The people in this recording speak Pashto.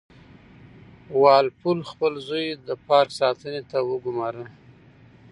وال پول خپل زوی د پارک ساتنې ته وګوماره.